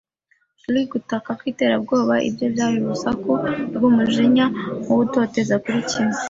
shrill gutaka kwiterabwoba, ibye byari urusaku rwumujinya nkuwutoteza. Kuri kimwe